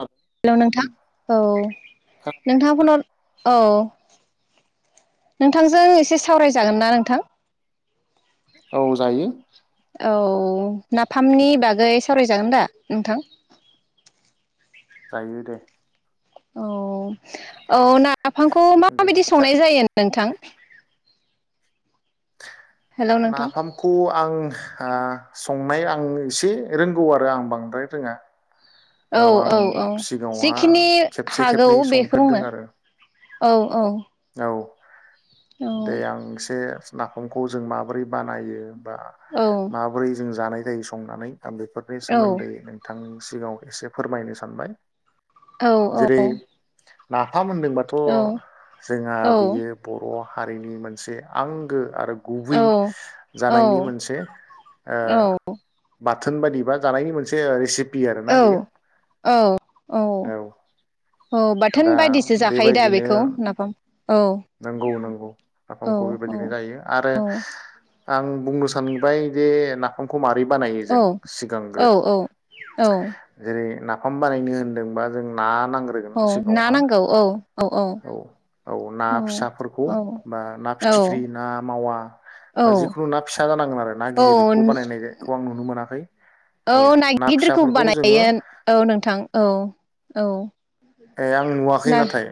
औ हेलौ नोंथां औ नोंथाङा फनाव औ नोंथांजों एसे सावरायजागोन ना नोंथां? औ जायो। औ नाफामनि बागै सावरायजागोन दा नोंथां? जायो दे। औ औ नाफामखौ दे माबायदि जा संनाय जायो नोंथां? हेलौ नोंथां नाफामखौ आं आ संनाय आं एसे रोंगौ आरो आं बांद्राय रोङा औ आं औ औ सिगाङावहा जिखिनि खेबसे हागौ खेबनै संफेरदों बेखौनो आरो औ औ औ औ दे आं एसे नाफामखौ जों माबोरै बानायो? बा औ माबोरै जों जानाय जाय संनानै आं बेफोरनि औ सोमोन्दै नोंथां सिङाव एसे फोरमायनो सानबाय औ औ। फाम होनदोंबाथ' औ जोंहा औ बियो बर' हारिनि मोनसे आंगो आरो गुबै जानायनि मोनसे ओ बाथ्रा थोन बायदि बा जानायनि मोनसे रेसिपि आरोना बेयो औ औ औ औ दा बाथोन बायदिसो जाखायो दा बेबायदिनो बेखौ नाफाम औ नोंगौ नोंगौ औ आफांखौ बेबायदिनो गायो आरो औ आं बुंनो सानबाय जे ना आंखौमात बै बानायो जों औ सिगांग्रो औ औ जेरै हम बानायनो होन्दोंबा जों ना नांगोर औ ना नांगौ औ । औ औ ना फिसाफोरखौ औ बा ना औ फिथिख्रि ना मावा औ बा जिखुनु ना फिसा जानांगोन आरो ना गिदिरखौ बानायनायखौ आं नुनो मोनाखै । औ ना गिदिरखौ बानायोन औ नोंथां औ औ । ए आं नुवाखै नास नाथाय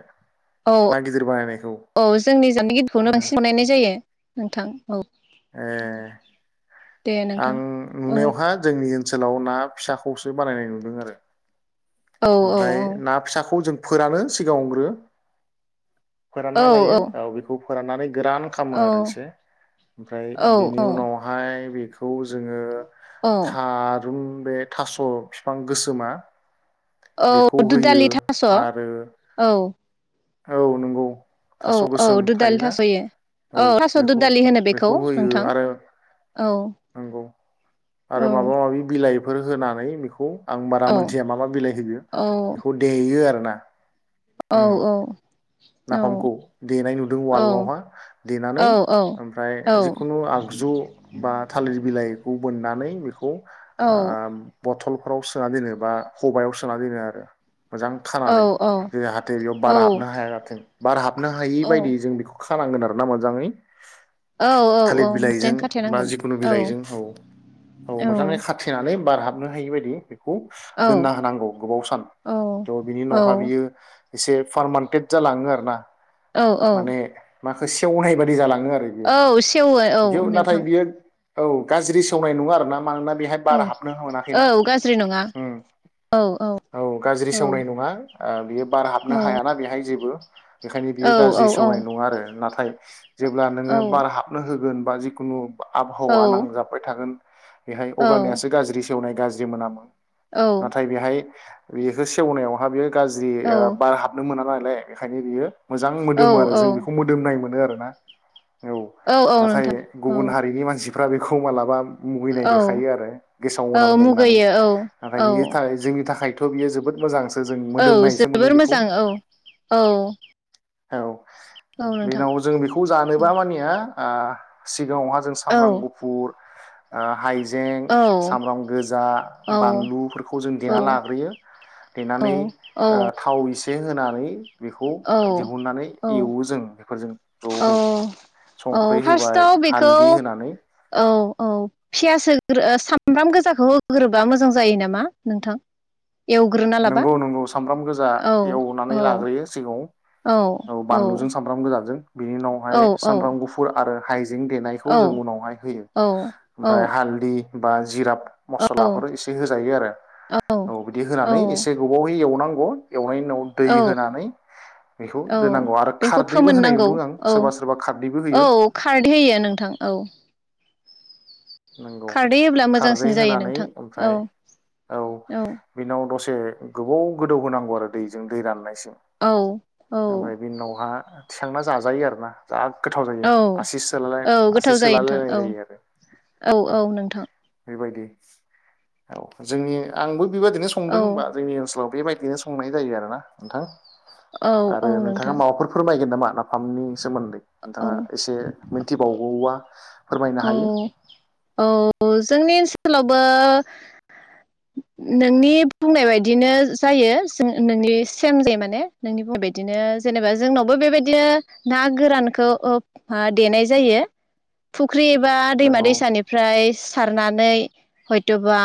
औ ना गिदिर बानायनायखौ औ जोंनि जानि गिदखौनो बांसिन बनायनाय जायो । नोंथां औ। ए दे । नोंथां आं औ नुनायावहा जोंनि ओनसोलाव ना फिसाखौसो बानायनाय नुदों आरो । औ ओमफ्राय औ ना फिसाखौ जों फोरानो सिगाङावग्रो फोरानना लायो औ बिखौ [unintelligible] गोरान खालामो आरो एसे ओमफ्राय औ बेनि उनावहाय बे [unintelligible] जोङो औ था रुन बे थास' फिफां गोसोमा बेखौ औ दु होयो दालि थास आरो औ। औ नंगौ । औ थास' औ गोसोम दुदालि थायोना थास'यो औ थास' बेखौ दुदालि होनो बेखौ होयो नोंथां आरो औ नंगौ औ आरो माबा माबि बिलाइ फोर होनानै बेखौ आं औ बारा मोनथिया मा मा बिलाइ होयो औ बेखौ देयो आरो । [inaudible] औ औ औ नाफामखौ देनाय नुदों औ वालआवहा औ देनानै औ ओमफ्राय जिखुनु आगजु बा थालिर बिलाइ । बोनानै बिख औ ओ बथलफोराव सोना दोनो बा खबायाव सोना दोनो आरो । मोजां खानानै जाहाथे बेयाव बार हाब हायाथों बार हाबनो हायि औ बायदि जों बेखौ खानांगोन आरो ना मोजाङै औ थालिर मोजां बिलाइजों बा खाथेनांगोन जिखुनु बिलाइजों औ औ मोजाङै खाथेनानै बार हाबनो हायि बायदि। खौ औ दोनना होनांगौ गोबाव सान त बिनि औ उनावहा बियो एसे फोरमान पेट जालाङो आरो ना। औ माने माखो सेवनाय बादि जालां औ सेवो औ नेवथां। बियो औ गाज्रि सावनाय नङा आरो ना मानोना बेहाय औ बार हाबनो औ मोनाखैना गाज्रि नङा ओं औ गाज्रि औ सेवनाय नङा । आ बियो बार हाबनो औ हायाना बेहाय जेबो बेनिखायनो औ बियो औ औ गाज्रि औ सेवनाय नङा आरो नाथाय जेब्ला नोङो बार हाबनो होगोन बा जिखुनु बा आबहावा नांजाबबाय थागोन। बेहाय अब्लानियासो गाज्रि सेवनाय गाज्रि मोनामो। औ नाथाय बेहाय बेखो सेवनायावहा बेयो गाज्रि ओ बार हाबनो मोनाबा बेखायनो बियो मोजां मोदोमो आरो जों बेखौ मोदोमनाय मो मोनो आरोना। औ औ नाथाय नोंथां औ गुबुन हारिनि मानसि [unintelligible] बेखौ मालाबा मुगैनाय औ देखायो आरो गेसाव औ मोनामदों होननानै मुगैयो नाथाय औ बिनि थाखाय जोंनि थाखायथ खिन्थु बेयो जोबो मोजांसो जों औ मोदोमनायसो मोनो जोबोर बेखौ मोजां औ। औ औ नोंथां बेनाव जों बेखौ औ जानोबा मानिया आह [unintelligible] सिगाङावहा जों औ सामब्राम गुफुर आ हाय हाइजें औ सामब्राम गोजा औ बानलुफोरखौ जों देना औ लाग्रोयो औ देनानै थाव एसे होना नै बेखौ औ दिहुननानै एवो जों बेफोरजों औ जहै औ संख्रि होबाय फार्स्टआव बेखौ हालदि होनानै औ औ पियास होग्रो सामब्राम गोजाखौ होग्रोबा मोजां जायो नामा नोंथां। एवग्रोना लाबा नंगौ नंगौ सामब्राम गोजा औ औ एवनानै लाग्रोयो सिगाङाव औ बानलुजों सामब्राम गोजाजों बिनि औ उनावहाय सामब्राम गुफुर- आरो हाइ देनायखौ औ जों उनावहाय होयो औ औ ओमफ्राय हालदि बा जिराब मसलाफोर इसे होजायो आरो औ बिदि औ होननानै एसे गोबावै एवनांगौ एवनायनि उनाव औ दै होनानै बेखौ औ दोनांगौ आरो बेखौ खारदैबो होनाय फोमोननांगौ नुदों आं औ सोरबा सोरबा खारदैबो औ होयो। खारदै होयो नोंथां औ नंगौ खारदै होब्ला खारदै मोजांसिन जायो होनानै नोंथां औ ओमफ्राय औ बिनाव दसे गोबाव गोदौ होनोनांगौ आरो दैजों दै राननाय औ औ ओमफ्राय बेनिनावहा थिखांना जाजायो आरो ना जा गोथाव जायो औ आसि सोलालाय औ गोथाव आसि जायो नोंथां सोलालायनाय औ जायो आरो औ औ नोंथां बायदि औ जोंनि आंबो- बेबादिनो औ संदों होनबा जोंनि ओनसोलाव बेबायदिनो संनाय जायो आरोना नोंथां। औ आरो औ नोंथाङा नोंथां माबाफोर फोरमायगोन नामा? नाफामनि सोमोन्दै औ नोंथाङा इसे मिन मिथिबावगौबा फोरमायनो औ हायो औ जोंनि ओनसोलावबो नोंनि बुंनाय बायदिनो जायो नोंनि सेम जे माने नोंनि बुंनाय बायदिनो जेनेबा जोंनावबो बेबायदिनो ना गोरानखौ देनाय जायो फुख्रि एबा दैमा नंगौ दैसानि ओमफ्राय सारनानै हयथबा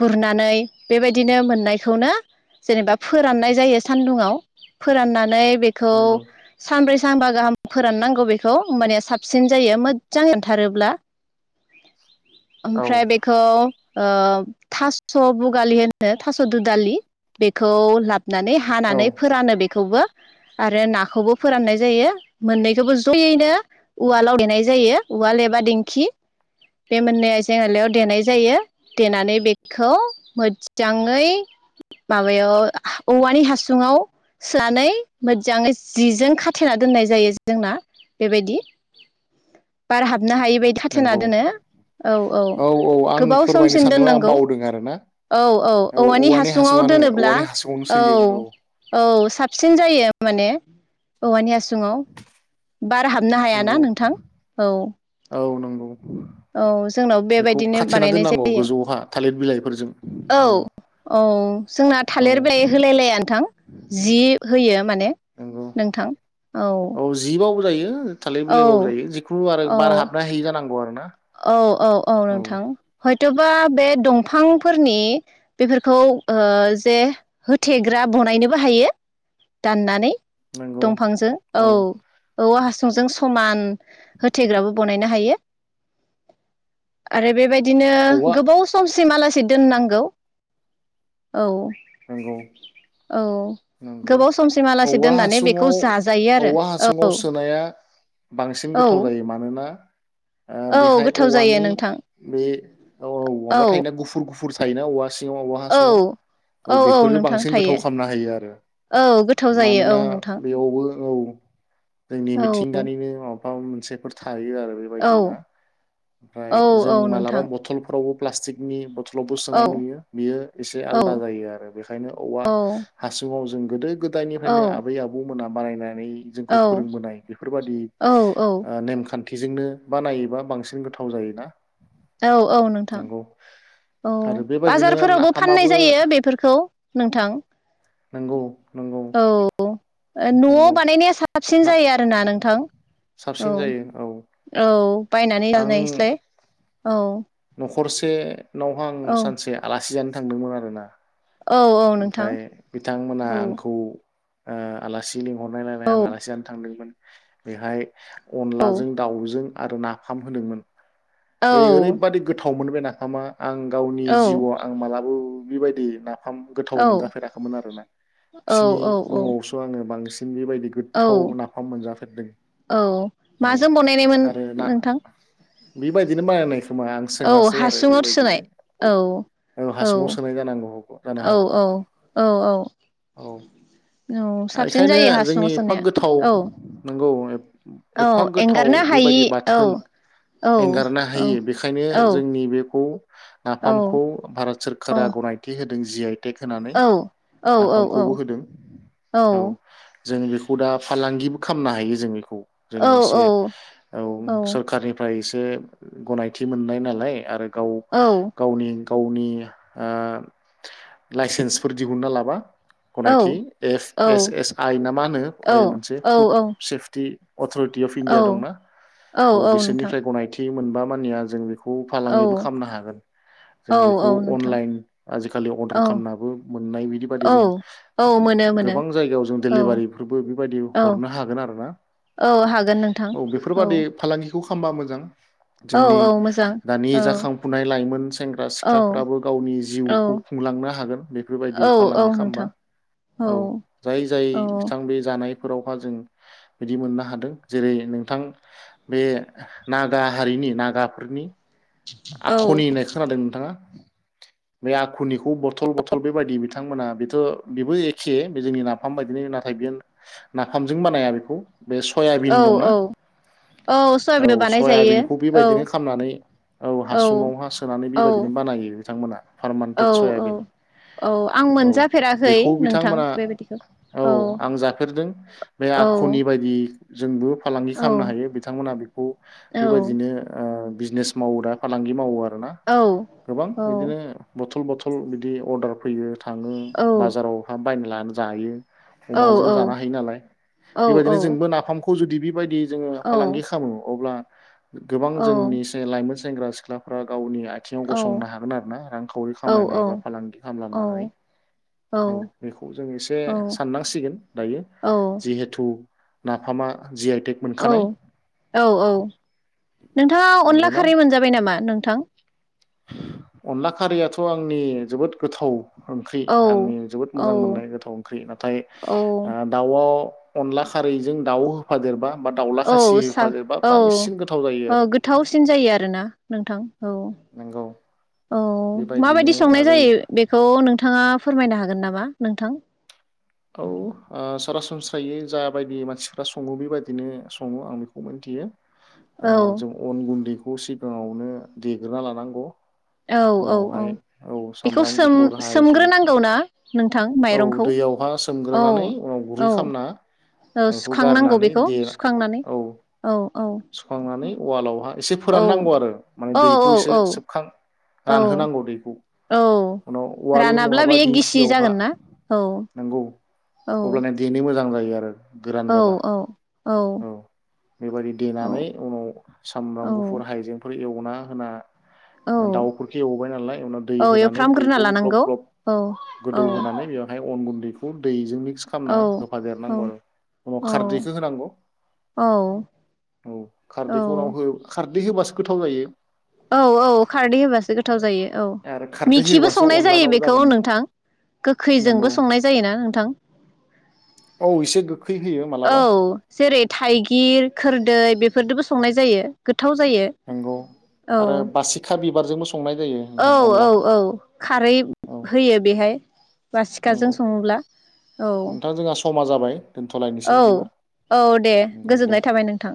गुरनानै बेबायदिनो मोननायखौनो जेनेबा फोराननाय जायो सानदुंङाव फोराननानै बेखौ नंगौ सानब्रै सानबा गाहाम फोराननांगौ बेखौ होनबानिया साबसिन जायो मो जां रानथारोब्ला। औ ओमफ्राय बेखौ ओ थास' बुगालि होनो थास' दुदालि बेखौ लाबनानै औ हानानै फोरानो बेखौबो आरो नाखौबो फोराननाय जायो मोननैखौबो जयैनो उवालाव देनाय जायो उवाल एबा दिंखि बे मोननै आइजें आलायाव देनाय जायो देनानै बेखौ मोदजाङै माबायाव औवानि हासुङाव सोनानै मोदजाङै जिजों खाथेना दोननाय जायो जोंना बेबायदि बार हाब [unintelligible] हायिबायायदि खाथेना नंगौ दोनो औ औ औ आं गोबाव फोरमायनो समसिम सानदोंमोन आं दोननांगौ? बावदों आरो ना औ औ औवानि हासुङाव हासुङानो दोनोब्ला औवानि हासुङावनो औ सोयो औ साबसिन जायो। [unintelligible] माने औवानि हा सुङाव। बार हाबनो हायाना नंगौ नोंथां औ। औ नंगौ। औ जोंनाव बेखौ बेबायदिनो खाथेना बानायनाय दोननांगौ जायो गोजौहा थालिर बिलाइफोरजों औ औ जोंना औ थालिर बिलाइ होलायलाया नोंथां जि होयो माने नंगौ नोंथां औ जायो। थालिर औ बिलाइबाबो जायो जिखुनु आरो औ बार हाबनो हायि जानांगौ आरो। ना औ औ औ नोंथां हो [unintelligible] बे दंफांफोरनि बेफोरखौ ओ जे होथेग्रा बनायनोबो हायो दाननानै। नंगौ दंफांजों औ औ औवास सुंद जों समान होथेग्राबो बनायनो हायो। आरो बेबाय दिनो औवा गोबाव सम सिम हालासै दोननांगौ औ नंगौ औ नंगौ गोबाव समसिमहालासि औवा दोननानै बेखौ हासुङाव जाजायो आरो औवा हासुङाव औ सोनाया बांसिन औ गोथाव जायो मानोना ओ औ बेहाय गोथाव जायो औवानि नोंथां बे औ औ माबा थायोना गुफुर गुफुर थायोना औवा सिङाव औवा औ हासुङाव औ बेफोरो बांसिन गोथाव खालामना हायो आरो औ गोथाव जायो औ नोंथां। ओ औ। जोंनि औ मिथिंगानिनो मा [unintelligible] मोनसेफोर था थायो आरो औ बेबायदिया ओमफ्राय औ जों औ मालाबा नोंथां बथलफ्रावबो प्लासथिकनि बथ' लावबो औ सोनाय नुयो बेयो एसे औ आलदा जायो आरो बेखायनो औवा। औ हासुङाव जों गोदो गो औ फ्रायनो आबै आबौ मोना बानायनाय नै जोंखौ फोरोंबोनाय बेफोरबादि औ आ नेमखान थिजोंनो बानायोबा बांसिन गोथाव जायोना औ औ नोंथां नंगौ औ आरो बेबायदिनो बाजारफोरावबो नाफामाबो फाननाय जायो बेफोरखौ । नोंथां नोंगौ। औ ओ नआव बानायनाया सा साबसिन ना जायो आरोना नोंथां औ साबसिन जायो औ औ बायनानै [unintelligible] स्लाय औ खरसे न हां औ सानसे आलासि जानो थांदोंमोन आरो ना औ औ नोंथां ओमफ्राय बिथांमोना औ आंखौ ओ आलासि लिंहरनायलायलाय औ आं आलासि जानो थांदोंमोन बेहाय औ अनलाजों दाउजों आरो नाफाम होदोंमोन औ ओरैबादि गोथाव थावमोन बे नाफामा। आं गावनि औ जिउआव आं मालाबो बिबायदि ना फाम गोथाव औ मोनजाफेराखैमोन आरोना औ बिसिनि औ नआवसो आङो बांसिन बेबायदि औ गोथाव नाफाम मोनजाफेरदों औ औ माजों बनायनायमोन आरो ना नोंथां बिबायदिनो बानायनायख मा आं औ सोङासै आरो हासुङाव बेबायदिनो सोनाय औ औ हासुङाव सोनाय जानांगौ जानो औ हागौ औ औ औ औ औ साबसिन इखायनो जायो हासुङाव जोंनि एफा सोनाया गोथाव औ नंगौ। औ एफा गोथाव एंगारनो हायि बेबायदि औ बाथोन औ एंगारनो औ हायि बेखायनो औ जोंनि बेखौ औ नाफामखौ भारत औ सोरखारा गनायथि होद दों जि आइ टेक होनानै औ औ औ नाफामखौबो होदों औ। जों बेखौ दा फालांगिबो खामनो हायो जों एखौ जों एसे औ औ सरखारनिफ्राय बे गनायथि मोननाय नालाय आरो गाव गावनि गावनि ओ लाइसेन्सफोर दिहुनना लाबा गनायथि एफ एस एस आइ ना मा होनो मोनसे फुड सेफटि अथरिटि अफ औ इण्डिया दंना औ बिसोरनिफ्राय गनाय थि मोनबा मानिया जों बे खौ औ फालांगिबो खालामनो हागोन जों औ बेखौ औ नोंथां अनलाइन आजिखालि अर्डार औ खालामनाबो मोननाय बिदि बादि औ जों औ मोनो मोनो गोबां जायगायाव जों औ डेलिभारिफोरबो बेबायदि औ हरनो हागोन आरो ना औ हागोन नोंथां औ बेफोरबादि फालांगि खौ खामबा मोजां। औ जोंनि औ मोजां दानि औ जाखांफुनाय लाइमोन सेंग्रा औ सिख्लाफ्राबो गावनि औ जिउखौ खुंलांनो हागोन बेफोरबायदि औ औ फालांगि खालामबा नोंथां औ जाय जाय औ बिथां बे जानाय। फोराव हा जों बिदि मोननो हादों जेरै नोंथां बे ना गा हारिनि नागाफोरनि आखनि होननाय खोनादों नोंथाङा? बे आखुनिखौ बथल बथल बेबायदि बिथांमोना बेथ' बेबो एखे बे जोंनि नाफाम बायदिनो नाथाय बेयो नाफामजों बानाया बेखौ। बे सयाबिन औ दंना औ औ सयाबिनबो औ बानाय जायो सयाबिनखौ औ बेबायदिनो खालामनानै। औ हासुङाव हा सोनानै औ बेबायदिनो बानायो। बिथांमोना। औ फारमान्टेट औ सयाबिन औ आं औ मोनजाफेराखै बेखौ नोंथां बिथांमोना बेबायदिखौ औ आं जाफेरदों बे औ आखुनि बायदि जोंबो फालांगि औ खालामनो हायो बिथांमोनहा बेखौ औ बेबायदिनो ओ बिजनेस मावो दा फालांगि मावो आ आरोना औ गोबां औ बिदिनो बथल' बथ थ बिदि अर्डार फैयो। थाङो औ बाजाराव हा बायना लानो जायो औ अमाजों जानो हायो नालाय बेबायदिनो जोंबो नाफाम खौ खौ जुदि बेबायदि जोङो फालांगि खामो अब्ला औ गोबां जोंनि लाइमोन सेंग्रा सिख्लाफ्रा गावनि आथिङाव औ गसंनो हागोन आरो ना रांखावरि औ खामायनाय एबा औ फालांगि औ खालामनानै औ बेखौ जों एसे औ साननांसिगोन दायो औ जिहेथु नाफामा जि [inaudible] औ औ औ नोंथाङा अनला नंगौना खारै मोनजाबाय नामा नों थां। अनला खारियाथ आंनि जोबोद गोथाव ओंख्रि औ आंनि जोबोद औ मोजां मोननाय गोथाव ओंख्रि नाथाय औ ओ दाउआव अनलाखारैजों दाउ होफादेरबा। बा दाउला औ खासि सा होफादेरबा औ बांसिन गोथाव जायो अह आरो गोथावसिन जायोआरोना नोंथां। औ नंगौ औ बेबायदिनो माबायदि आरो संनायजायो बेखौ नोंथाङा फोरमायनो हागोननामा नोंथां? औ ओ [unintelligible] जाबायदि मानसिफ्रासङो बेबायदिनोसङो आंबेखौ मिन्थियो। औ ओह जों अनगुन्दै खौ सिगाङावनो देग्रोनालानांगौ। औ औ औ बेखौ सामब्राम गुफुर हाइजें सोम-सोमग्रोनांगौना। नोंथां औ माइरंखौ दैयावहा औ सोमग्रोनानै उनाव गुरै औ खालामना ओ बेखौ सुखांनांगौ गारनानै बेखौ दे सुखांनानै औ औ। औ सुखांनानै उवालावहाय एसे फोराननांगौ आरो माने औ औ दैखौ एसे औ सोबखां औ रानहोनांगौ दैखौ औ उनाव उवाल रानाब्ला नङाबा बे गिसिजागोनना औ औ अब्लानिया देनोमोजांजायो। दे आरोर औ औ औ। बेबायदि औ देनानै उनाव औ सामब्रामगुफुर हइजेंफो बै एवनाहोना औ दाउफोरखौ एवबायनालाय औ होनानै एवफ्रामग्रोना दैखौ ग्लब लानांगौ ग्लब औ औ गोदौहोनानै बेवहाय अनगुन्दैखौ [unintelligible] [unintelligible] खामना औ होफादेरनांगौआरो उनाव खारदैखो होनांगौ। औ औ खारदैखौ उनाव औ हो खा खारदैहोबासो गोथावजायो। औ औ खारदैहोबासो गोथावजायो। औ आरो खारदै मिखिबो होबासो अनला दाव संनायजायोबेखौ जागोन बे नोंथां गोखैजोंबो नंगौ संनायजायोना नोंथां, औ एसे गोखै होयो औ मालाबा जेरै थाइगिर खोरदै बेफोरदोबो संनायजायो गोद गोथावजायो। नंगौ आरो बासिखा बिबारजोंबो स औ औ औ खारै औ होयोबेहाय बासिखाजों नंगौ सङोब्ला औ। नोंथां जोंहा समा जाबाय। दोनथ'लायनोसै औ बिदिबा औ दे नंगौ दे गोजोननाय थाबाय नोंथां।